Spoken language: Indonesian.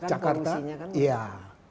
di jakarta kan polusinya kan